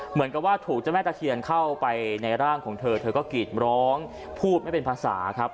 เหมือนกับว่าถูกเจ้าแม่ตะเคียนเข้าไปในร่างของเธอเธอก็กรีดร้องพูดไม่เป็นภาษาครับ